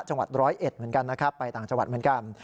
จังหวัดร้อยเอ็ดเหมือนกันนะครับไปต่างจังหวัดเหมือนกัน